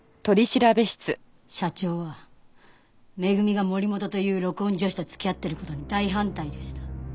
社長は恵が森本という録音助手と付き合ってる事に大反対でした。